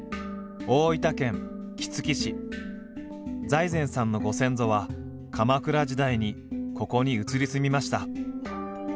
財前さんのご先祖は鎌倉時代にここに移り住みました。